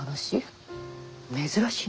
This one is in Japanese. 珍しいね。